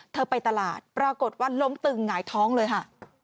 ไปตลาดปรากฏว่าล้มตึงหงายท้องเลยค่ะ